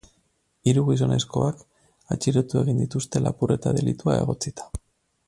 Hiru gizonezkoak atxilotu egin dituzte lapurreta delitua egotzita.